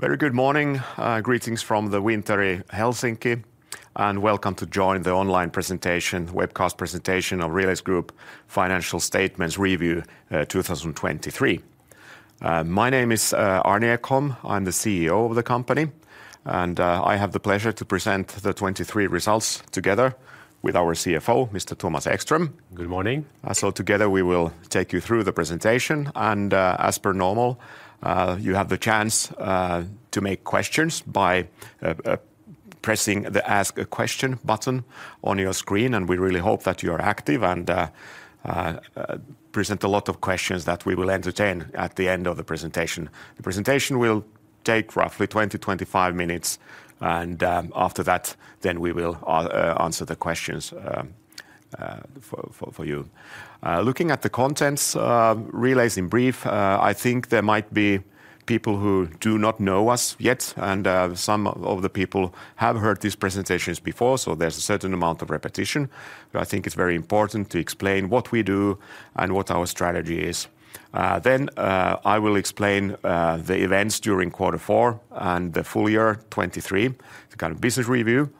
Very good morning. Greetings from the wintry Helsinki, and welcome to join the online presentation, webcast presentation of Relais Group Financial Statements Review 2023. My name is Arni Ekholm. I'm the CEO of the company, and I have the pleasure to present the 2023 results together with our CFO, Mr. Thomas Ekström. Good morning. So together we will take you through the presentation. As per normal, you have the chance to make questions by pressing the Ask a Question button on your screen. We really hope that you are active and present a lot of questions that we will entertain at the end of the presentation. The presentation will take roughly 20 minutes-25 minutes, and after that, then we will answer the questions for you. Looking at the contents, Relais in brief, I think there might be people who do not know us yet. Some of the people have heard these presentations before, so there's a certain amount of repetition. I think it's very important to explain what we do and what our strategy is. Then I will explain the events during quarter four and the full-year 2023, it's a kind of business review.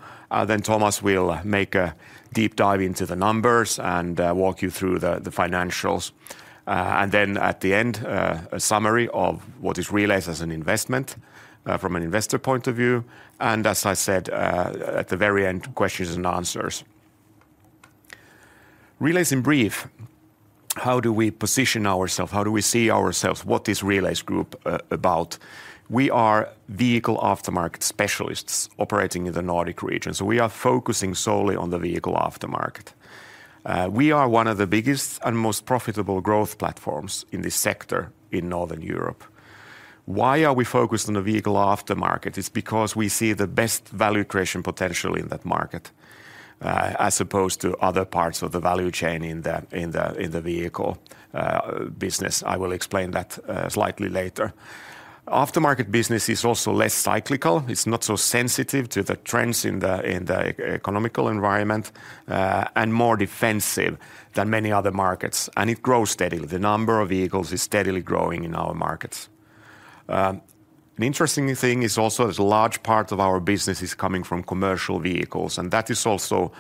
Thomas will make a deep dive into the numbers and walk you through the financials. Then at the end, a summary of what Relais is as an investment from an investor point of view. As I said, at the very end, questions and answers. Relais in brief, how do we position ourselves? How do we see ourselves? What is Relais Group about? We are vehicle aftermarket specialists operating in the Nordic region. So we are focusing solely on the vehicle aftermarket. We are one of the biggest and most profitable growth platforms in this sector in Northern Europe. Why are we focused on the vehicle aftermarket? It's because we see the best value creation potential in that market, as opposed to other parts of the value chain in the vehicle business. I will explain that slightly later. Aftermarket business is also less cyclical. It's not so sensitive to the trends in the economic environment and more defensive than many other markets. It grows steadily. The number of vehicles is steadily growing in our markets. An interesting thing is also a large part of our business is coming from commercial vehicles. That is also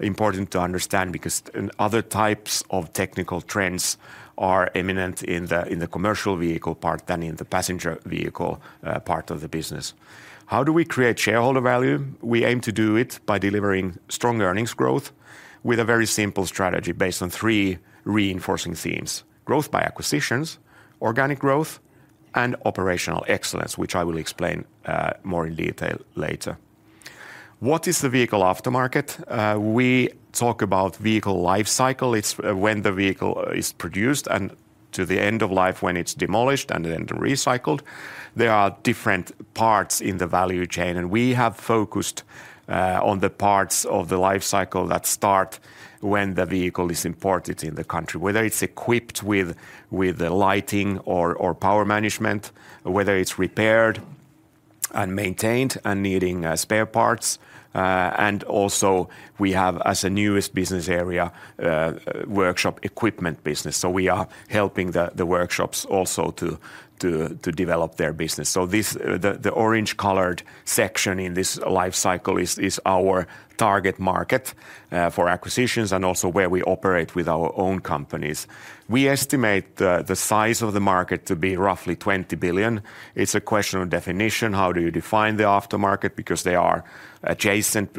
important to understand because other types of technical trends are imminent in the commercial vehicle part than in the passenger vehicle part of the business. How do we create shareholder value? We aim to do it by delivering strong earnings growth with a very simple strategy based on three reinforcing themes: growth by acquisitions, organic growth, and operational excellence, which I will explain more in detail later. What is the vehicle aftermarket? We talk about vehicle lifecycle. It's when the vehicle is produced and to the end of life when it's demolished and then recycled. There are different parts in the value chain, and we have focused on the parts of the lifecycle that start when the vehicle is imported in the country, whether it's equipped with the lighting or power management, whether it's repaired and maintained and needing spare parts. And also we have, as a newest business area, workshop equipment business. So we are helping the workshops also to develop their business. So the orange-colored section in this lifecycle is our target market for acquisitions and also where we operate with our own companies. We estimate the size of the market to be roughly 20 billion. It's a question of definition. How do you define the aftermarket? Because there are adjacent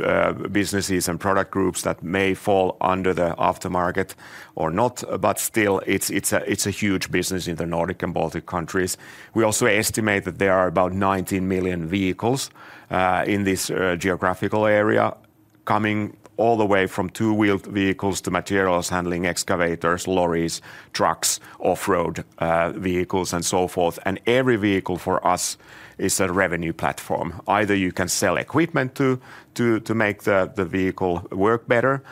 businesses and product groups that may fall under the aftermarket or not, but still it's a huge business in the Nordic and Baltic countries. We also estimate that there are about 19 million vehicles in this geographical area coming all the way from two-wheeled vehicles to materials handling, excavators, lorries, trucks, off-road vehicles, and so forth. Every vehicle for us is a revenue platform. Either you can sell equipment to make the vehicle work better,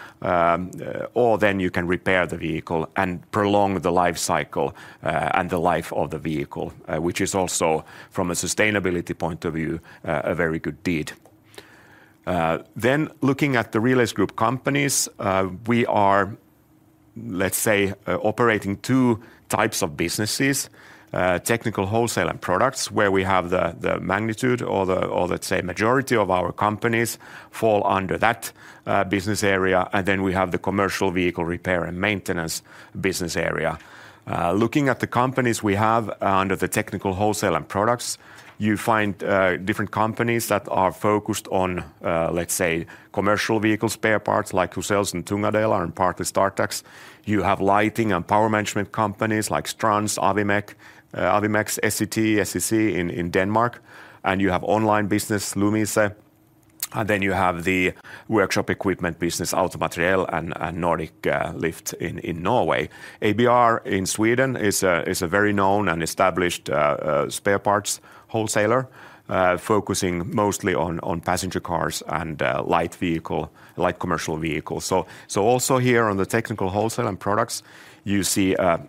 or then you can repair the vehicle and prolong the lifecycle and the life of the vehicle, which is also, from a sustainability point of view, a very good deed. Looking at the Relais Group companies, we are, let's say, operating two types of businesses: technical wholesale and products, where we have the magnitude or, let's say, majority of our companies fall under that business area. We have the commercial vehicle repair and maintenance business area. Looking at the companies we have under the technical wholesale and products, you find different companies that are focused on, let's say, commercial vehicle spare parts like Huzells and TD Tunga Delar and partly Startax. You have lighting and power management companies like Strands, Awimex, SEC, SEC in Denmark. And you have online business Lumise. And then you have the workshop equipment business AutoMateriell and Nordic Lift in Norway. ABR in Sweden is a very known and established spare parts wholesaler, focusing mostly on passenger cars and light commercial vehicles. So also here on the technical wholesale and products, you see a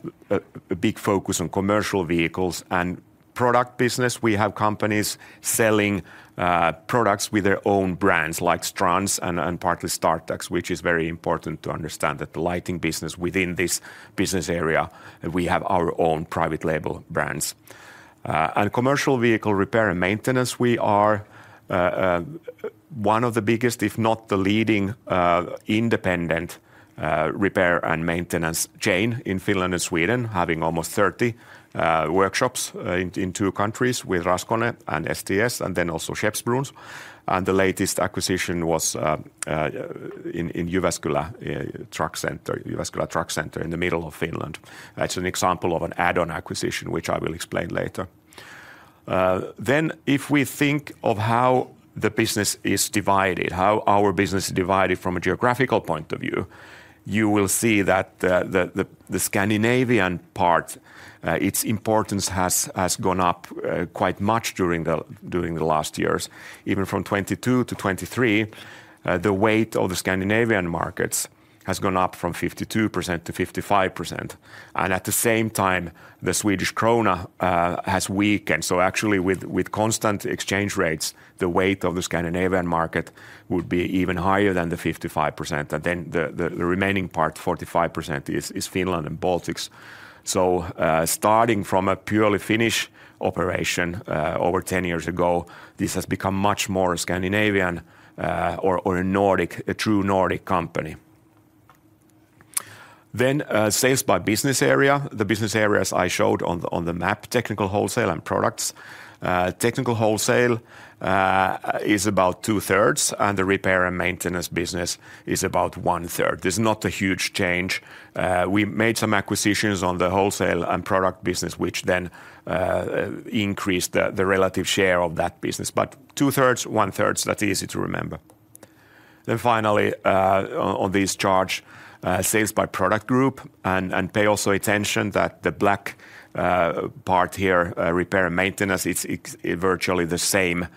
big focus on commercial vehicles and product business. We have companies selling products with their own brands like Strands and partly Startax, which is very important to understand that the lighting business within this business area, we have our own private label brands. And commercial vehicle repair and maintenance, we are one of the biggest, if not the leading independent repair and maintenance chain in Finland and Sweden, having almost 30 workshops in two countries with Raskone and STS and then also Skeppsbrons. And the latest acquisition was in Jyväskylän Truck Center, Jyväskylän Truck Center in the middle of Finland. It's an example of an add-on acquisition, which I will explain later. Then if we think of how the business is divided, how our business is divided from a geographical point of view, you will see that the Scandinavian part, its importance has gone up quite much during the last years. Even from 2022-2023, the weight of the Scandinavian markets has gone up from 52%-55%. And at the same time, the Swedish krona has weakened. So actually, with constant exchange rates, the weight of the Scandinavian market would be even higher than the 55%. And then the remaining part, 45%, is Finland and Baltics. So starting from a purely Finnish operation over 10 years ago, this has become much more Scandinavian or a true Nordic company. Then sales by business area, the business areas I showed on the map: technical wholesale and products. Technical wholesale is about two-thirds, and the repair and maintenance business is about one-third. This is not a huge change. We made some acquisitions on the wholesale and product business, which then increased the relative share of that business. But two-thirds, one-third, that's easy to remember. Then finally, on this chart, sales by product group. And also pay attention that the black part here, repair and maintenance, it's virtually the same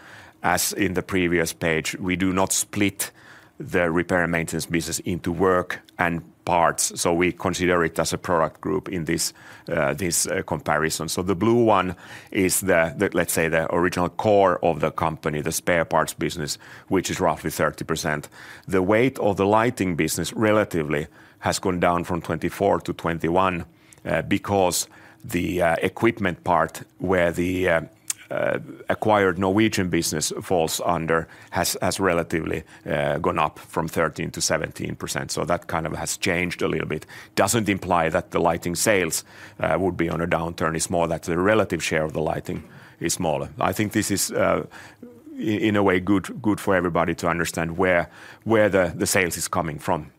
as in the previous page. We do not split the repair and maintenance business into work and parts. So we consider it as a product group in this comparison. So the blue one is, let's say, the original core of the company, the spare parts business, which is roughly 30%. The weight of the lighting business relatively has gone down from 2024-2021 because the equipment part, where the acquired Norwegian business falls under, has relatively gone up from 13%-17%. So that kind of has changed a little bit. It doesn't imply that the lighting sales would be on a downturn. It's more that the relative share of the lighting is smaller. I think this is, in a way, good for everybody to understand where the sales is coming from.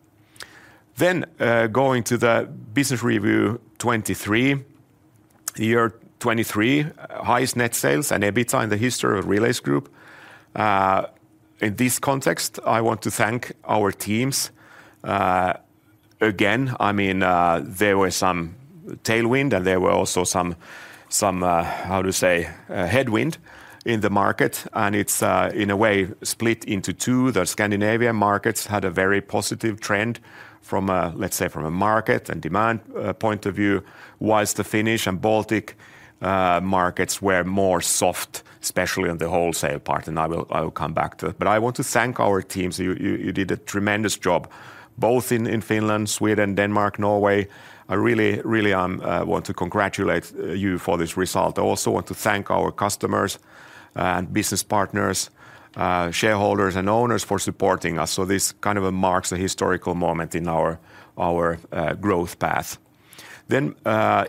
Then going to the Business Review 2023, year 2023, highest net sales and EBITDA in the history of Relais Group. In this context, I want to thank our teams. Again, I mean, there was some tailwind and there were also some, how do you say, headwind in the market. And it's, in a way, split into two. The Scandinavian markets had a very positive trend from, let's say, from a market and demand point of view, whilst the Finnish and Baltic markets were more soft, especially on the wholesale part. And I will come back to that. But I want to thank our teams. You did a tremendous job both in Finland, Sweden, Denmark, Norway. I really want to congratulate you for this result. I also want to thank our customers and business partners, shareholders, and owners for supporting us. So this kind of marks a historical moment in our growth path. Then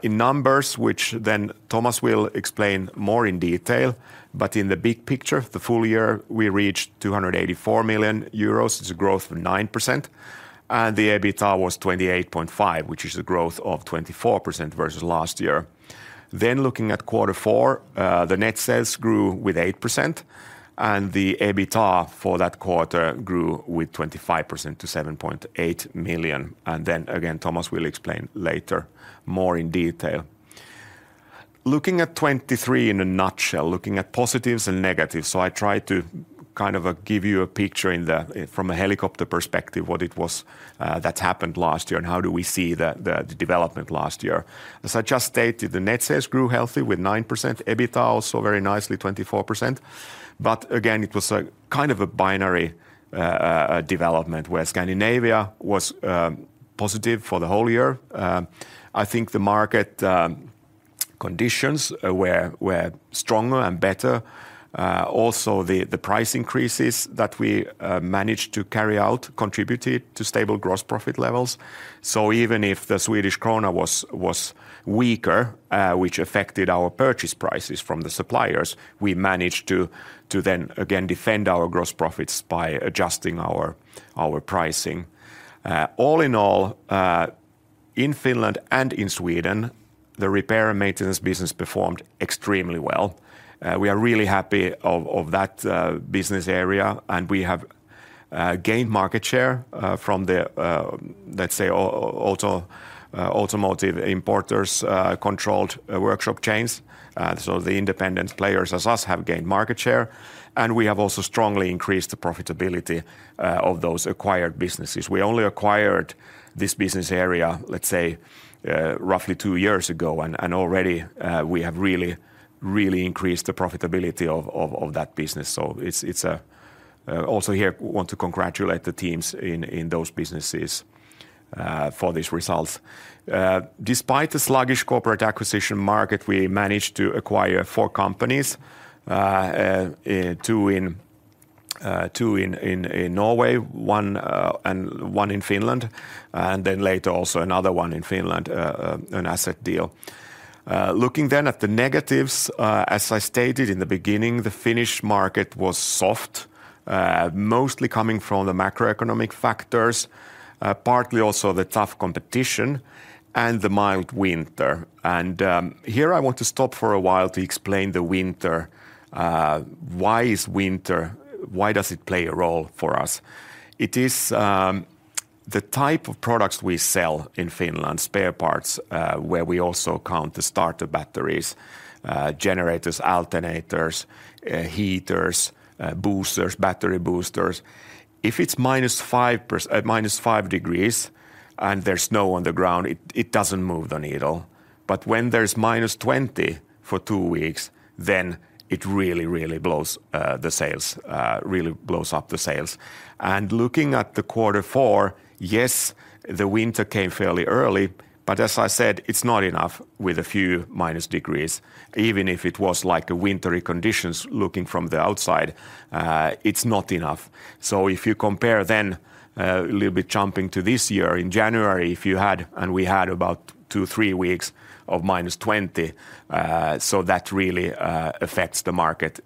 in numbers, which then Thomas will explain more in detail. But in the big picture, the full-year, we reached 284 million euros. It's a growth of 9%. And the EBITDA was 28.5%, which is a growth of 24% versus last year. Then looking at quarter four, the net sales grew with 8%. And the EBITDA for that quarter grew with 25% to 7.8 million. And then again, Thomas will explain later more in detail. Looking at 2023 in a nutshell, looking at positives and negatives. So I tried to kind of give you a picture from a helicopter perspective of what it was that happened last year and how do we see the development last year. As I just stated, the net sales grew healthy with 9%, EBITDA also very nicely 24%. But again, it was a kind of a binary development where Scandinavia was positive for the whole year. I think the market conditions were stronger and better. Also, the price increases that we managed to carry out contributed to stable gross profit levels. So even if the Swedish krona was weaker, which affected our purchase prices from the suppliers, we managed to then again defend our gross profits by adjusting our pricing. All in all, in Finland and in Sweden, the repair and maintenance business performed extremely well. We are really happy of that business area. And we have gained market share from the, let's say, automotive importers-controlled workshop chains. So the independent players as us have gained market share. And we have also strongly increased the profitability of those acquired businesses. We only acquired this business area, let's say, roughly two years ago. And already we have really, really increased the profitability of that business. So it's a... Also here, I want to congratulate the teams in those businesses for these results. Despite the sluggish corporate acquisition market, we managed to acquire four companies, two in Norway, and one in Finland, and then later also another one in Finland, an asset deal. Looking then at the negatives, as I stated in the beginning, the Finnish market was soft, mostly coming from the macroeconomic factors, partly also the tough competition, and the mild winter. Here I want to stop for a while to explain the winter. Why is winter... Why does it play a role for us? It is the type of products we sell in Finland, spare parts, where we also count the starter batteries, generators, alternators, heaters, boosters, battery boosters. If it's -5 degrees and there's snow on the ground, it doesn't move the needle. But when there's -20 for 2 weeks, then it really, really blows the sales, really blows up the sales. Looking at the quarter four, yes, the winter came fairly early. But as I said, it's not enough with a few minus degrees. Even if it was like wintry conditions looking from the outside, it's not enough. So if you compare then a little bit jumping to this year, in January, if you had and we had about two to three weeks of -20, so that really affects the market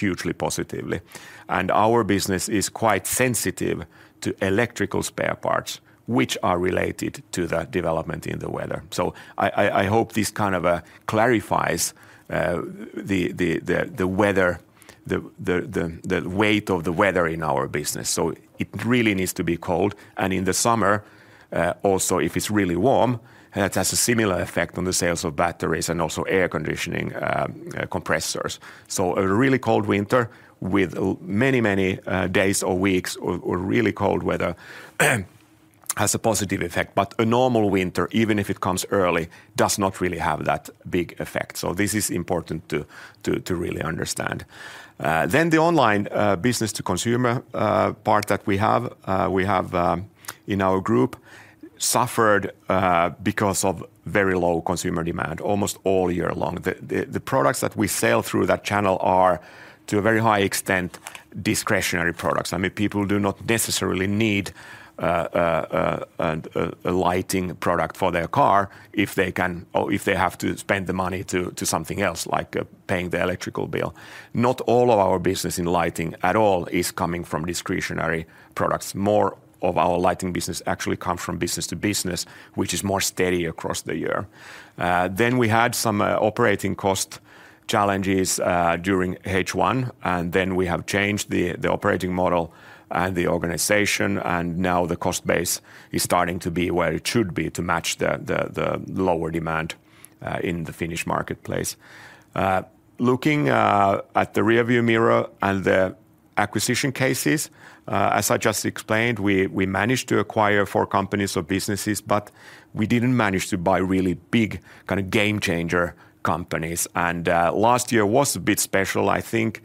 hugely positively. And our business is quite sensitive to electrical spare parts, which are related to the development in the weather. So I hope this kind of clarifies the weather, the weight of the weather in our business. So it really needs to be cold. And in the summer also, if it's really warm, that has a similar effect on the sales of batteries and also air conditioning compressors. So a really cold winter with many, many days or weeks or really cold weather has a positive effect. But a normal winter, even if it comes early, does not really have that big effect. So this is important to really understand. Then the online business-to-consumer part that we have, we have in our group, suffered because of very low consumer demand almost all year long. The products that we sell through that channel are, to a very high extent, discretionary products. I mean, people do not necessarily need a lighting product for their car if they can or if they have to spend the money to something else, like paying the electrical bill. Not all of our business in lighting at all is coming from discretionary products. More of our lighting business actually comes from business-to-business, which is more steady across the year. Then we had some operating cost challenges during H1. And then we have changed the operating model and the organization. And now the cost base is starting to be where it should be to match the lower demand in the Finnish marketplace. Looking at the rearview mirror and the acquisition cases, as I just explained, we managed to acquire four companies or businesses. But we didn't manage to buy really big kind of game-changer companies. And last year was a bit special. I think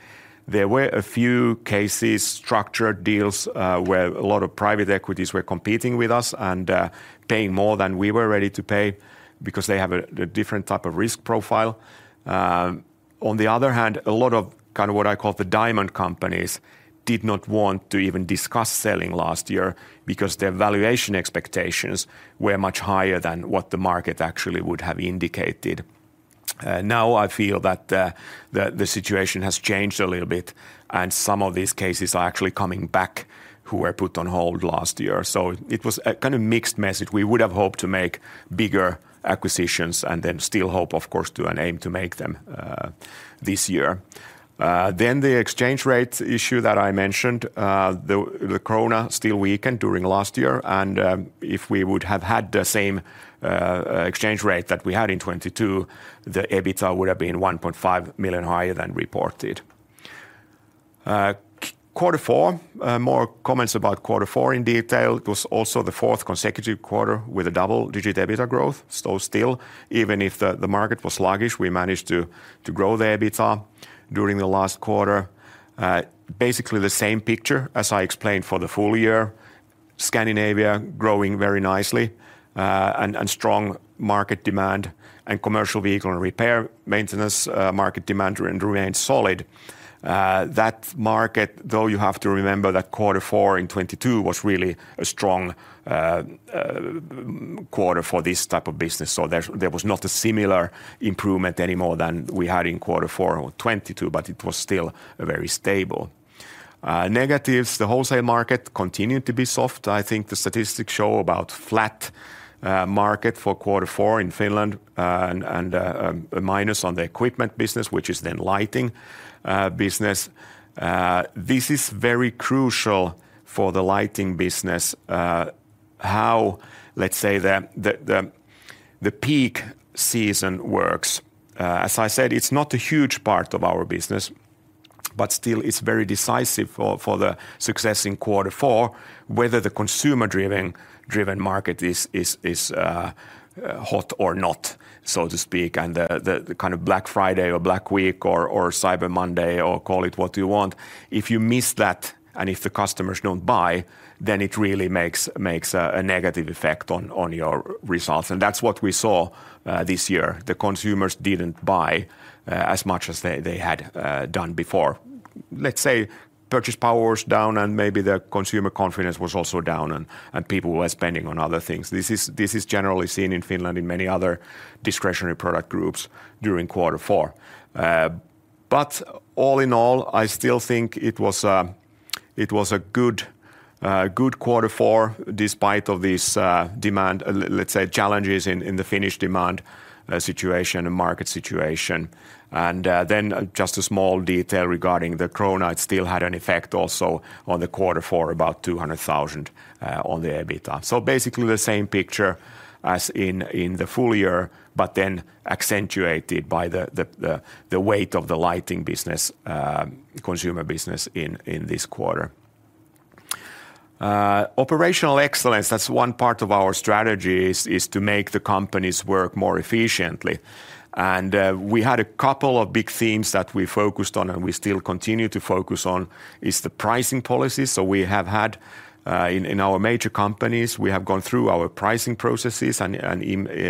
there were a few cases, structured deals, where a lot of private equities were competing with us and paying more than we were ready to pay because they have a different type of risk profile. On the other hand, a lot of kind of what I call the diamond companies did not want to even discuss selling last year because their valuation expectations were much higher than what the market actually would have indicated. Now I feel that the situation has changed a little bit. Some of these cases are actually coming back who were put on hold last year. So it was a kind of mixed message. We would have hoped to make bigger acquisitions and then still hope, of course, to and aim to make them this year. The exchange rate issue that I mentioned, the krona still weakened during last year. And if we would have had the same exchange rate that we had in 2022, the EBITDA would have been 1.5 million higher than reported. Quarter four, more comments about quarter four in detail. It was also the fourth consecutive quarter with a double-digit EBITDA growth. Still, even if the market was sluggish, we managed to grow the EBITDA during the last quarter. Basically, the same picture as I explained for the full-year. Scandinavia growing very nicely and strong market demand. Commercial vehicle and repair maintenance market demand remains solid. That market, though you have to remember that quarter four in 2022 was really a strong quarter for this type of business. So there was not a similar improvement anymore than we had in quarter four or 2022. But it was still very stable. Negatives, the wholesale market continued to be soft. I think the statistics show about flat market for quarter four in Finland and a minus on the equipment business, which is then lighting business. This is very crucial for the lighting business. How, let's say, the peak season works. As I said, it's not a huge part of our business. But still, it's very decisive for the success in quarter four whether the consumer-driven market is hot or not, so to speak. And the kind of Black Friday or Black Week or Cyber Monday or call it what you want. If you miss that and if the customers don't buy, then it really makes a negative effect on your results. And that's what we saw this year. The consumers didn't buy as much as they had done before. Let's say purchase power was down and maybe the consumer confidence was also down and people were spending on other things. This is generally seen in Finland in many other discretionary product groups during quarter four. But all in all, I still think it was a good quarter four despite of these demand, let's say, challenges in the Finnish demand situation and market situation. And then just a small detail regarding the krona, it still had an effect also on the quarter four, about 200,000 on the EBITDA. So basically the same picture as in the full-year, but then accentuated by the weight of the lighting business, consumer business in this quarter. Operational excellence, that's one part of our strategy, is to make the companies work more efficiently. And we had a couple of big themes that we focused on and we still continue to focus on is the pricing policy. So we have had in our major companies, we have gone through our pricing processes and,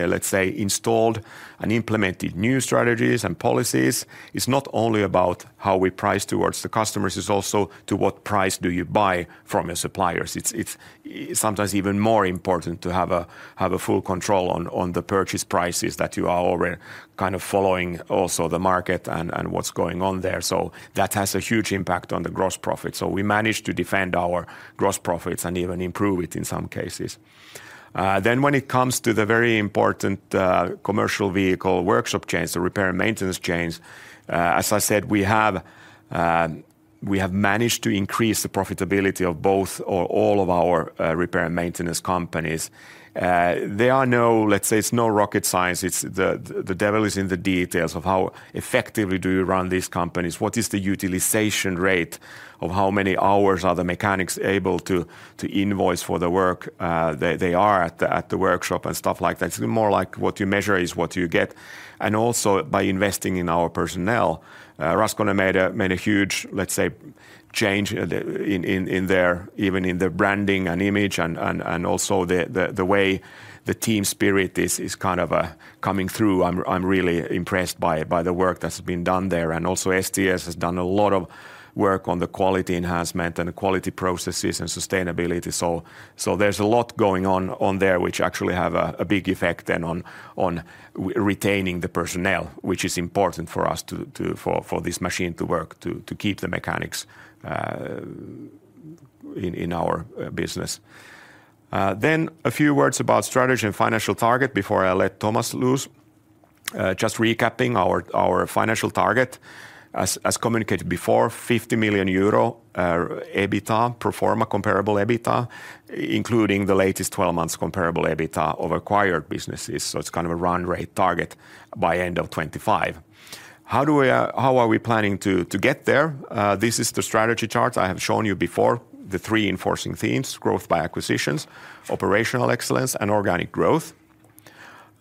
let's say, installed and implemented new strategies and policies. It's not only about how we price towards the customers. It's also to what price do you buy from your suppliers. It's sometimes even more important to have a full control on the purchase prices that you are already kind of following also the market and what's going on there. So that has a huge impact on the gross profit. So we managed to defend our gross profits and even improve it in some cases. Then when it comes to the very important commercial vehicle workshop chains, the repair and maintenance chains, as I said, we have managed to increase the profitability of both or all of our repair and maintenance companies. There are no... Let's say it's no rocket science. The devil is in the details of how effectively do you run these companies? What is the utilization rate of how many hours are the mechanics able to invoice for the work they are at the workshop and stuff like that? It's more like what you measure is what you get. And also by investing in our personnel. Raskone made a huge, let's say, change in their... Even in their branding and image and also the way the team spirit is kind of coming through. I'm really impressed by the work that's been done there. And also STS has done a lot of work on the quality enhancement and the quality processes and sustainability. So there's a lot going on there, which actually have a big effect then on retaining the personnel, which is important for us for this machine to work, to keep the mechanics in our business. Then a few words about strategy and financial target before I let Thomas loose. Just recapping our financial target, as communicated before, 50 million euro EBITDA, pro forma comparable EBITDA, including the latest 12 months comparable EBITDA of acquired businesses. So it's kind of a run rate target by end of 2025. How are we planning to get there? This is the strategy chart I have shown you before. The three enforcing themes: growth by acquisitions, operational excellence, and organic growth.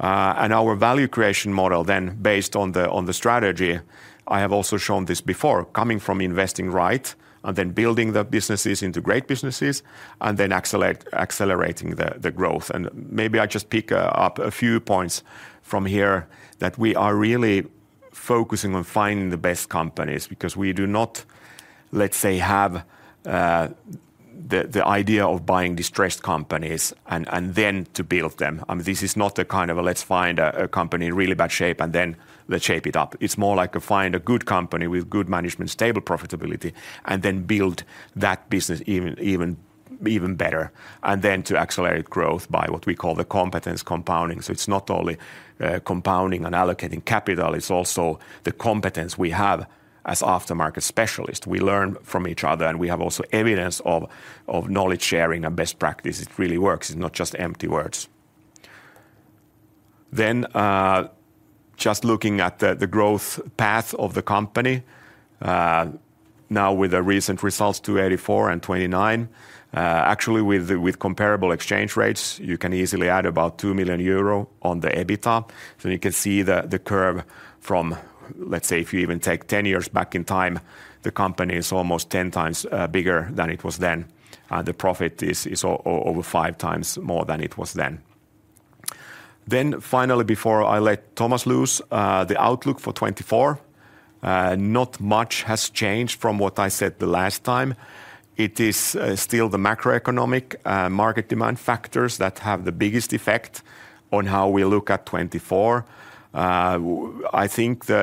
Our value creation model then based on the strategy, I have also shown this before, coming from investing right and then building the businesses into great businesses and then accelerating the growth. Maybe I just pick up a few points from here that we are really focusing on finding the best companies because we do not, let's say, have the idea of buying distressed companies and then to build them. I mean, this is not a kind of a... Let's find a company in really bad shape and then let's shape it up. It's more like find a good company with good management, stable profitability, and then build that business even better. Then to accelerate growth by what we call the competence compounding. So it's not only compounding and allocating capital. It's also the competence we have as aftermarket specialists. We learn from each other and we have also evidence of knowledge sharing and best practices. It really works. It's not just empty words. Then just looking at the growth path of the company now with the recent results 284 and 29, actually with comparable exchange rates, you can easily add about 2 million euro on the EBITDA. So you can see the curve from, let's say, if you even take 10 years back in time, the company is almost 10 times bigger than it was then. The profit is over 5x more than it was then. Then finally, before I let Thomas loose, the outlook for 2024. Not much has changed from what I said the last time. It is still the macroeconomic market demand factors that have the biggest effect on how we look at 2024. I think the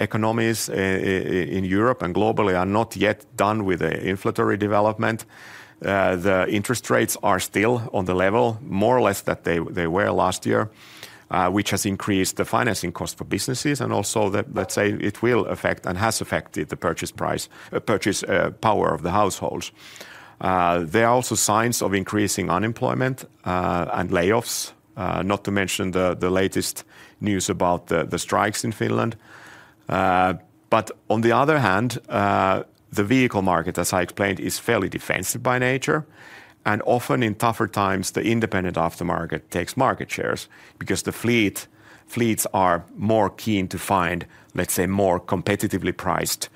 economies in Europe and globally are not yet done with the inflationary development. The interest rates are still on the level more or less that they were last year, which has increased the financing cost for businesses. And also, let's say, it will affect and has affected the purchase price, purchasing power of the households. There are also signs of increasing unemployment and layoffs, not to mention the latest news about the strikes in Finland. But on the other hand, the vehicle market, as I explained, is fairly defensive by nature. Often in tougher times, the independent aftermarket takes market shares because the fleets are more keen to find, let's say, more competitively priced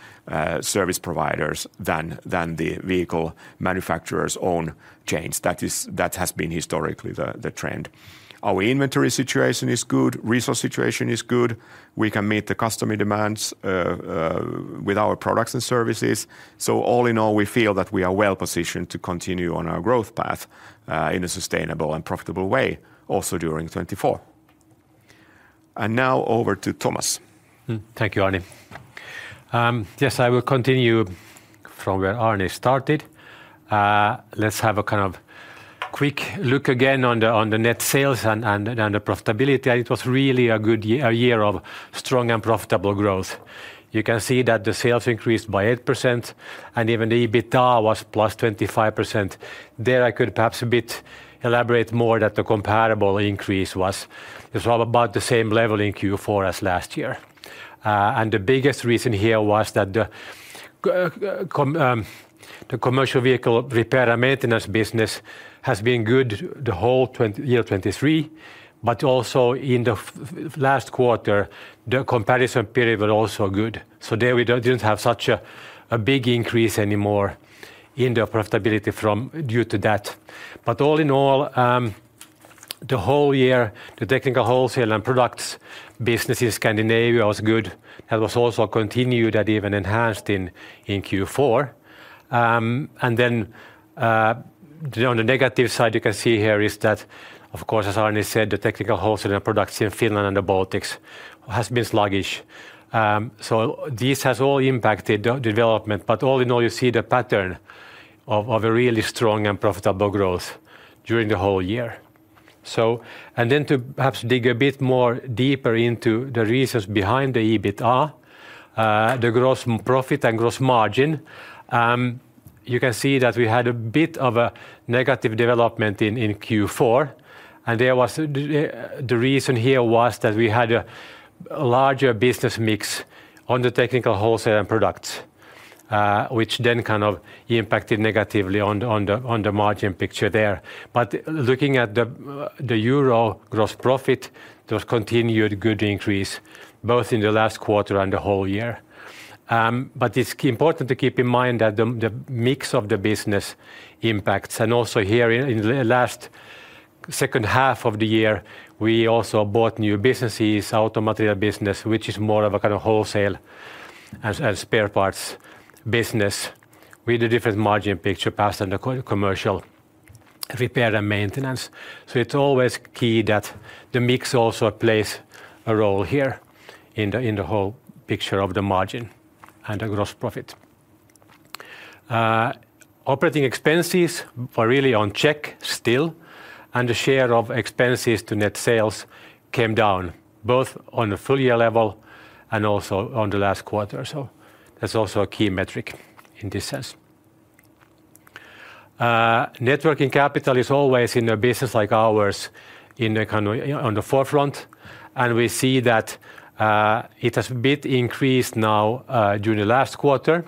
service providers than the vehicle manufacturers' own chains. That has been historically the trend. Our inventory situation is good. Resource situation is good. We can meet the customer demands with our products and services. So all in all, we feel that we are well positioned to continue on our growth path in a sustainable and profitable way also during 2024. And now over to Thomas. Thank you, Arni. Yes, I will continue from where Arni started. Let's have a kind of quick look again on the net sales and the profitability. It was really a good year of strong and profitable growth. You can see that the sales increased by 8% and even the EBITDA was +25%. There, I could perhaps elaborate a bit more that the comparable increase was about the same level in Q4 as last year. The biggest reason here was that the commercial vehicle repair and maintenance business has been good the whole year 2023. But also in the last quarter, the comparison period was also good. So there we didn't have such a big increase anymore in the profitability due to that. All in all, the whole year, the technical wholesale and products business in Scandinavia was good. That was also continued and even enhanced in Q4. Then on the negative side, you can see here is that, of course, as Arni said, the technical wholesale and products in Finland and the Baltics has been sluggish. So this has all impacted the development. But all in all, you see the pattern of a really strong and profitable growth during the whole year. Then to perhaps dig a bit more deeper into the reasons behind the EBITDA, the gross profit and gross margin, you can see that we had a bit of a negative development in Q4. And the reason here was that we had a larger business mix on the technical wholesale and products, which then kind of impacted negatively on the margin picture there. But looking at the EUR gross profit, there was continued good increase both in the last quarter and the whole year. But it's important to keep in mind that the mix of the business impacts. And also here in the last second half of the year, we also bought new businesses, AutoMateriell business, which is more of a kind of wholesale and spare parts business with a different margin picture past the commercial repair and maintenance. So it's always key that the mix also plays a role here in the whole picture of the margin and the gross profit. Operating expenses were really in check still. And the share of expenses to net sales came down both on the full-year level and also on the last quarter. So that's also a key metric in this sense. Net working capital is always in a business like ours in the kind of on the forefront. And we see that it has a bit increased now during the last quarter.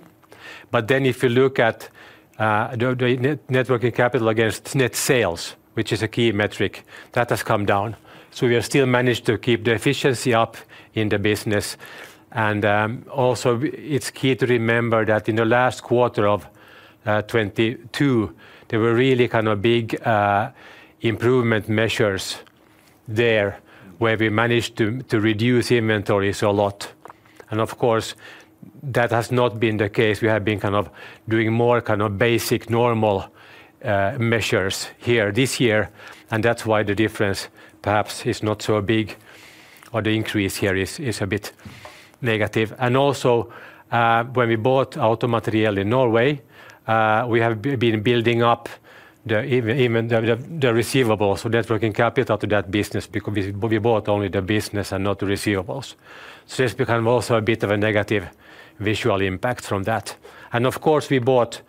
But then if you look at the net working capital against net sales, which is a key metric, that has come down. So we have still managed to keep the efficiency up in the business. And also it's key to remember that in the last quarter of 2022, there were really kind of big improvement measures there where we managed to reduce inventories a lot. And of course, that has not been the case. We have been kind of doing more kind of basic normal measures here this year. And that's why the difference perhaps is not so big or the increase here is a bit negative. And also when we bought AutoMateriell in Norway, we have been building up even the receivables, the net working capital to that business because we bought only the business and not the receivables. So there's kind of also a bit of a negative visual impact from that. And of course, we bought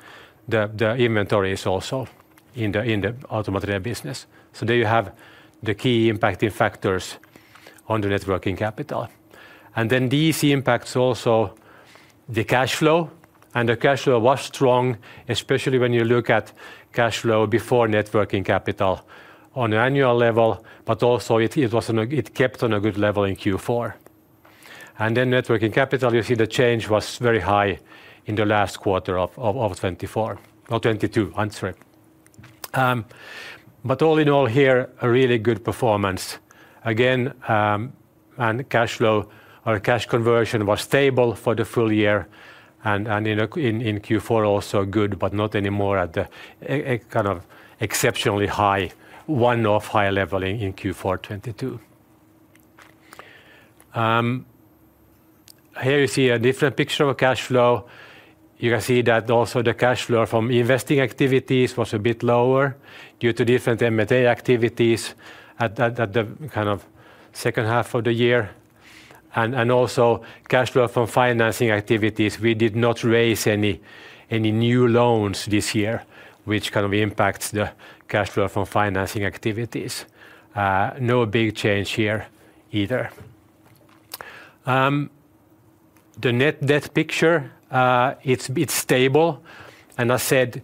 the inventories also in the AutoMateriell business. So there you have the key impacting factors on the net working capital. And then these impacts also the cash flow. And the cash flow was strong, especially when you look at cash flow before net working capital on an annual level. But also it kept on a good level in Q4. And then net working capital, you see the change was very high in the last quarter of 2024. Or 2022, I'm sorry. But all in all here, a really good performance again. And cash flow or cash conversion was stable for the full-year. And in Q4 also good, but not anymore at the kind of exceptionally high one-off high level in Q4 2022. Here you see a different picture of cash flow. You can see that also the cash flow from investing activities was a bit lower due to different M&A activities at the kind of second half of the year. Also cash flow from financing activities, we did not raise any new loans this year, which kind of impacts the cash flow from financing activities. No big change here either. The net debt picture, it's stable. And as said,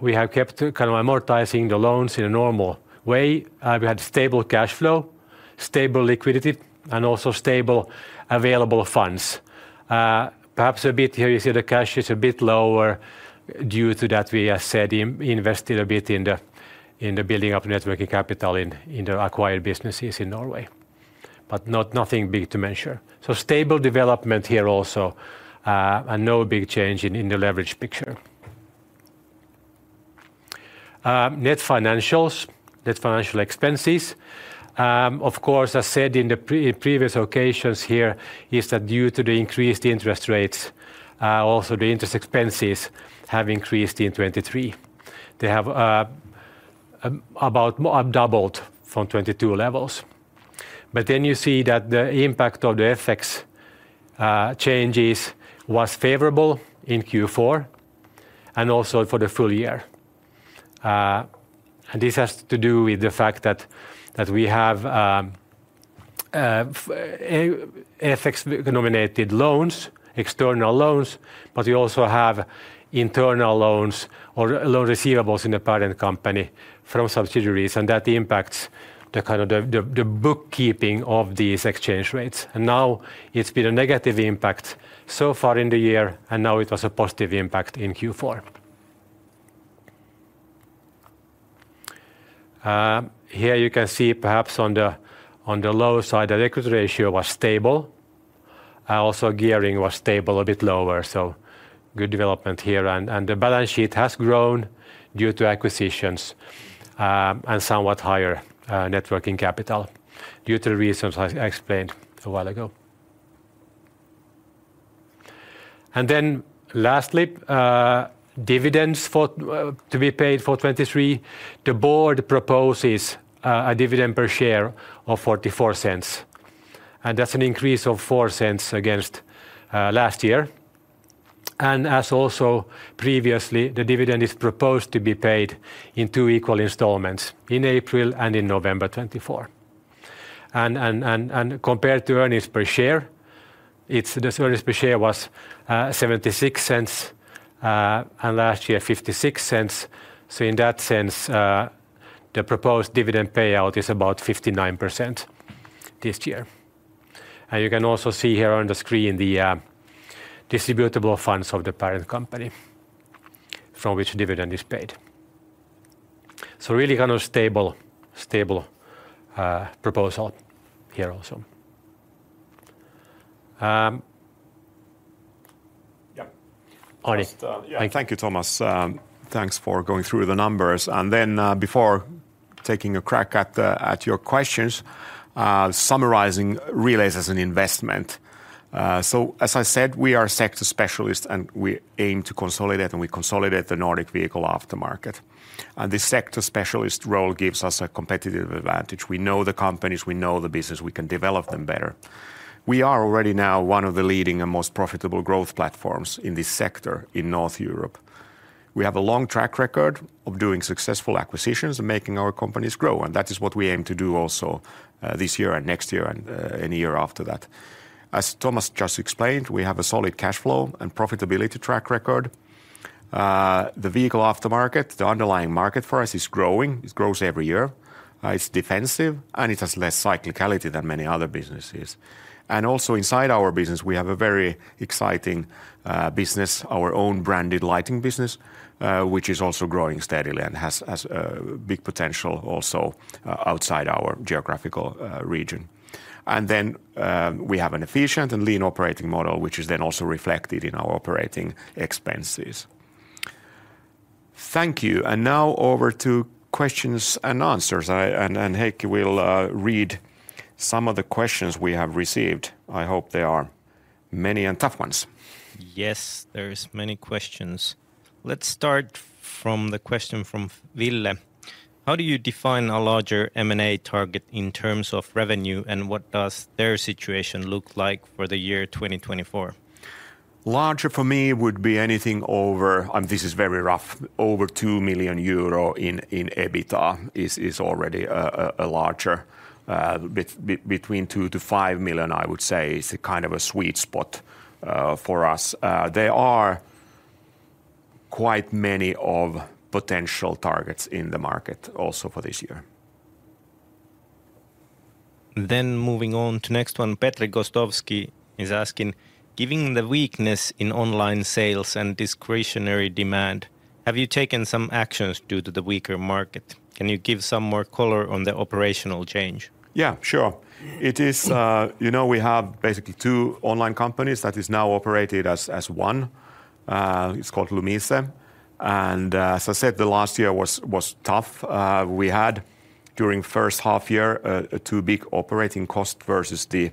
we have kept kind of amortizing the loans in a normal way. We had stable cash flow, stable liquidity, and also stable available funds. Perhaps a bit here you see the cash is a bit lower due to that we have instead invested a bit in the building up net working capital in the acquired businesses in Norway. But nothing big to mention. So stable development here also and no big change in the leverage picture. Net financials, net financial expenses. Of course, as said in the previous occasions here is that due to the increased interest rates, also the interest expenses have increased in 2023. They have about doubled from 2022 levels. But then you see that the impact of the FX changes was favorable in Q4 and also for the full-year. And this has to do with the fact that we have FX-denominated loans, external loans. But we also have internal loans or loan receivables in the parent company from subsidiaries. And that impacts the kind of the bookkeeping of these exchange rates. And now it's been a negative impact so far in the year. And now it was a positive impact in Q4. Here you can see perhaps on the low side, the equity ratio was stable. Also gearing was stable, a bit lower. So good development here. The balance sheet has grown due to acquisitions and somewhat higher net working capital due to the reasons I explained a while ago. Then lastly, dividends to be paid for 2023. The board proposes a dividend per share of 0.44. And that's an increase of 0.04 against last year. And as also previously, the dividend is proposed to be paid in two equal installments in April and in November 2024. And compared to earnings per share, the earnings per share was 0.76 and last year 0.56. So in that sense, the proposed dividend payout is about 59% this year. And you can also see here on the screen the distributable funds of the parent company from which dividend is paid. So really kind of stable proposal here also. Yeah. Arni. Thank you, Thomas. Thanks for going through the numbers. Then before taking a crack at your questions, summarizing Relais as an investment. So as I said, we are a sector specialist and we aim to consolidate. We consolidate the Nordic vehicle aftermarket. And this sector specialist role gives us a competitive advantage. We know the companies, we know the business, we can develop them better. We are already now one of the leading and most profitable growth platforms in this sector in Northern Europe. We have a long track record of doing successful acquisitions and making our companies grow. And that is what we aim to do also this year and next year and any year after that. As Thomas just explained, we have a solid cash flow and profitability track record. The vehicle aftermarket, the underlying market for us is growing. It grows every year. It's defensive and it has less cyclicality than many other businesses. And also inside our business, we have a very exciting business, our own branded lighting business, which is also growing steadily and has big potential also outside our geographical region. And then we have an efficient and lean operating model, which is then also reflected in our operating expenses. Thank you. And now over to questions and answers. And Heikki will read some of the questions we have received. I hope there are many and tough ones. Yes, there are many questions. Let's start from the question from Ville. How do you define a larger M&A target in terms of revenue? And what does their situation look like for the year 2024? Larger for me would be anything over, and this is very rough, over 2 million euro in EBITDA is already larger. Between 2 million-5 million, I would say, is kind of a sweet spot for us. There are quite many potential targets in the market also for this year. Then moving on to next one, Petri Gostowski is asking, given the weakness in online sales and discretionary demand, have you taken some actions due to the weaker market? Can you give some more color on the operational change? Yeah, sure. It is, you know, we have basically two online companies that are now operated as one. It's called Lumise. And as I said, the last year was tough. We had during the first half year two big operating costs versus the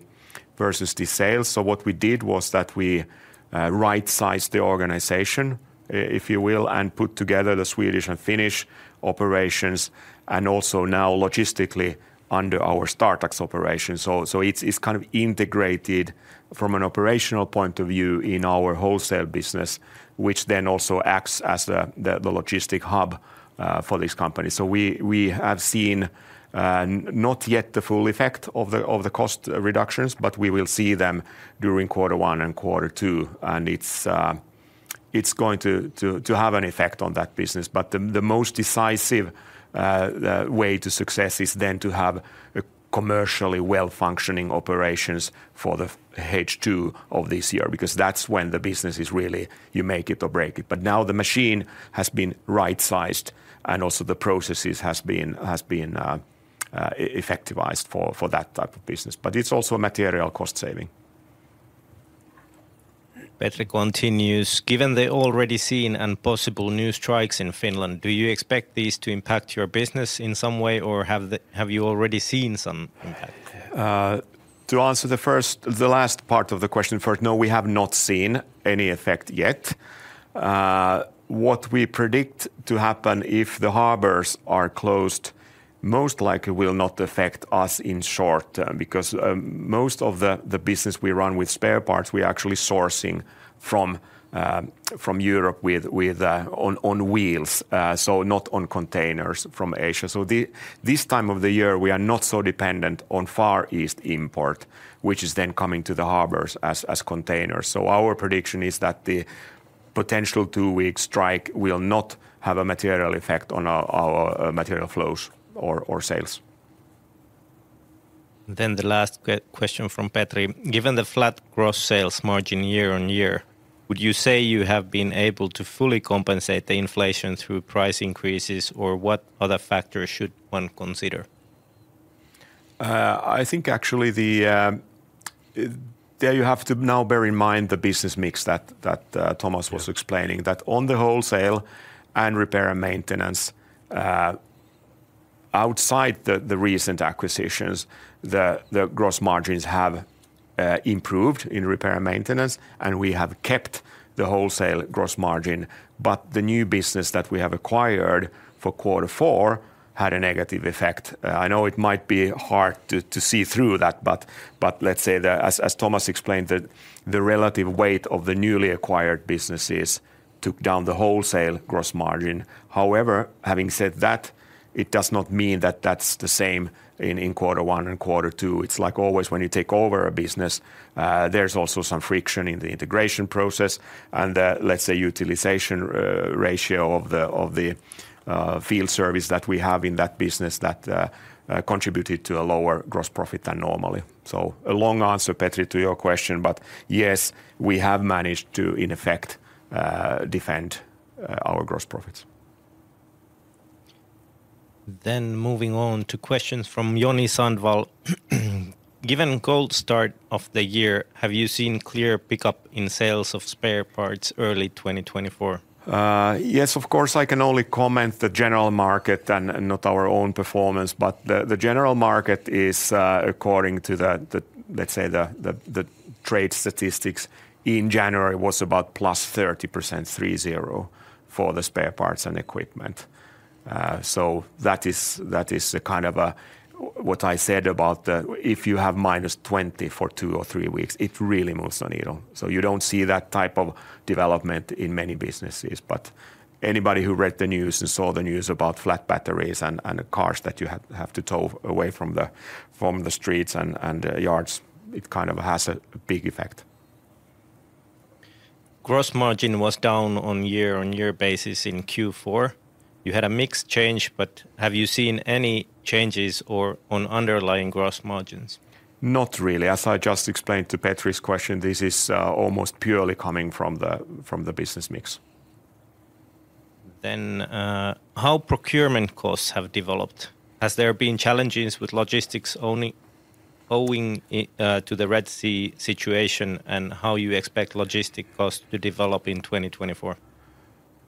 sales. So what we did was that we right-sized the organization, if you will, and put together the Swedish and Finnish operations and also now logistically under our Startax operation. So it's kind of integrated from an operational point of view in our wholesale business, which then also acts as the logistic hub for this company. So we have seen not yet the full effect of the cost reductions, but we will see them during quarter one and quarter two. It's going to have an effect on that business. But the most decisive way to success is then to have commercially well-functioning operations for the H2 of this year. Because that's when the business is really, you make it or break it. But now the machine has been right-sized and also the processes have been effectivized for that type of business. But it's also a material cost saving. Petri continues, given the already seen and possible new strikes in Finland, do you expect these to impact your business in some way? Or have you already seen some impact? To answer the first, the last part of the question first, no, we have not seen any effect yet. What we predict to happen if the harbors are closed most likely will not affect us in short term. Because most of the business we run with spare parts, we are actually sourcing from Europe with on wheels, so not on containers from Asia. So this time of the year, we are not so dependent on Far East import, which is then coming to the harbors as containers. So our prediction is that the potential two-week strike will not have a material effect on our material flows or sales. Then the last question from Petri, given the flat gross sales margin year-on-year, would you say you have been able to fully compensate the inflation through price increases? Or what other factors should one consider? I think actually there you have to now bear in mind the business mix that Thomas was explaining. That on the wholesale and repair and maintenance, outside the recent acquisitions, the gross margins have improved in repair and maintenance. And we have kept the wholesale gross margin. But the new business that we have acquired for quarter four had a negative effect. I know it might be hard to see through that. But let's say, as Thomas explained, the relative weight of the newly acquired businesses took down the wholesale gross margin. However, having said that, it does not mean that that's the same in quarter one and quarter two. It's like always when you take over a business, there's also some friction in the integration process. Let's say utilization ratio of the field service that we have in that business that contributed to a lower gross profit than normally. So a long answer, Petri, to your question. But yes, we have managed to, in effect, defend our gross profits. Moving on to questions from Joni Sandvall. Given the cold start of the year, have you seen clear pickup in sales of spare parts early 2024? Yes, of course. I can only comment on the general market and not our own performance. But the general market is, according to, let's say, the trade statistics, in January was about plus 3.0% for the spare parts and equipment. So that is the kind of what I said about the if you have minus 20% for two or three weeks, it really moves the needle. So you don't see that type of development in many businesses. But anybody who read the news and saw the news about flat batteries and cars that you have to tow away from the streets and yards, it kind of has a big effect. Gross margin was down on a year-on-year basis in Q4. You had a mixed change. But have you seen any changes on underlying gross margins? Not really. As I just explained to Petri's question, this is almost purely coming from the business mix. Then how have procurement costs developed? Has there been challenges with logistics owing to the Red Sea situation? And how do you expect logistic costs to develop in 2024?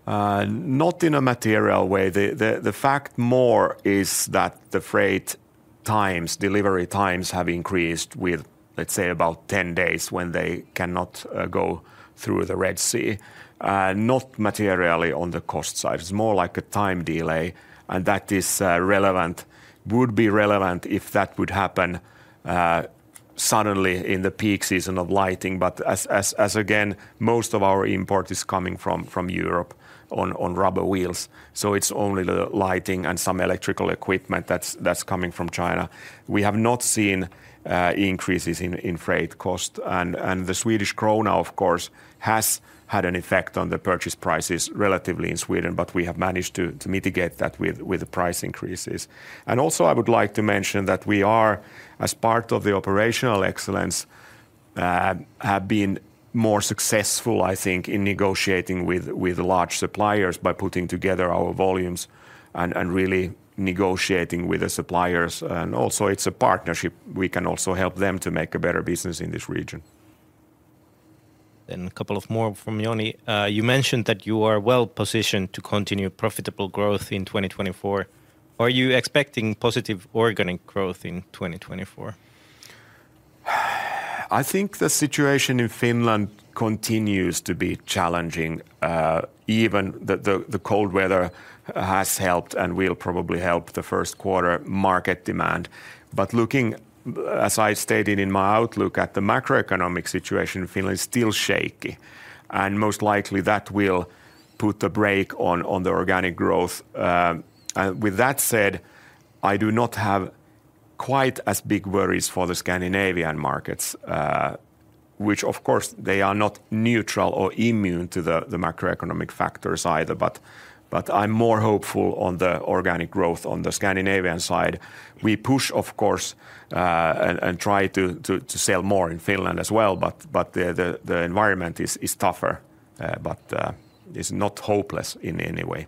Not in a material way. The fact more is that the freight times, delivery times, have increased with, let's say, about 10 days when they cannot go through the Red Sea. Not materially on the cost side. It's more like a time delay. That would be relevant if that would happen suddenly in the peak season of lighting. But as again, most of our import is coming from Europe on rubber wheels. So it's only the lighting and some electrical equipment that's coming from China. We have not seen increases in freight costs. And the Swedish krona, of course, has had an effect on the purchase prices relatively in Sweden. But we have managed to mitigate that with the price increases. And also, I would like to mention that we are, as part of the operational excellence, have been more successful, I think, in negotiating with large suppliers by putting together our volumes and really negotiating with the suppliers. And also, it's a partnership. We can also help them to make a better business in this region. Then a couple of more from Joni. You mentioned that you are well positioned to continue profitable growth in 2024. Are you expecting positive organic growth in 2024? I think the situation in Finland continues to be challenging. Even the cold weather has helped and will probably help the first quarter market demand. But looking, as I stated in my outlook, at the macroeconomic situation, Finland is still shaky. And most likely that will put a break on the organic growth. And with that said, I do not have quite as big worries for the Scandinavian markets, which, of course, they are not neutral or immune to the macroeconomic factors either. But I'm more hopeful on the organic growth on the Scandinavian side. We push, of course, and try to sell more in Finland as well. But the environment is tougher, but is not hopeless in any way.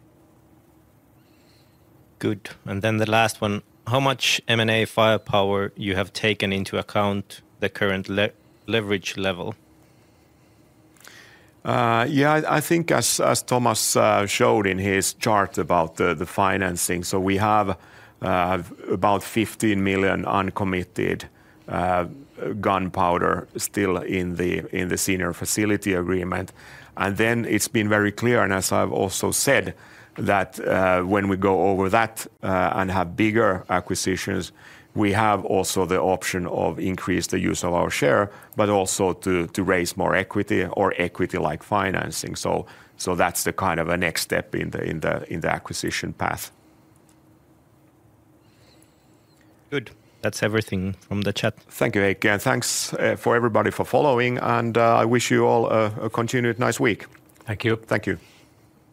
Good. And then the last one. How much M&A firepower do you have taken into account the current leverage level? Yeah, I think, as Thomas showed in his chart about the financing, so we have about 15 million uncommitted gunpowder still in the Senior Facility Agreement. Then it's been very clear, and as I've also said, that when we go over that and have bigger acquisitions, we have also the option of increasing the use of our share, but also to raise more equity or equity-like financing. So that's the kind of a next step in the acquisition path. Good. That's everything from the chat. Thank you, Heikki. And thanks for everybody for following. And I wish you all a continued nice week. Thank you. Thank you.